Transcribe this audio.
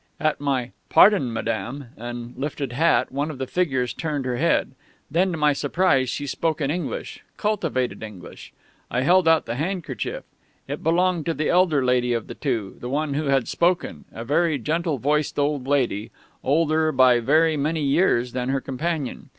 "At my 'Pardon, madame,' and lifted hat one of the figures turned her head; then, to my surprise, she spoke in English cultivated English. I held out the handkerchief. It belonged to the elder lady of the two, the one who had spoken, a very gentle voiced old lady, older by very many years than her companion.